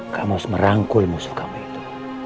kamu harus merangkul musuh kami itu